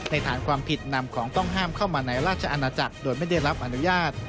ฐานความผิดนำของต้องห้ามเข้ามาในราชอาณาจักรโดยไม่ได้รับอนุญาต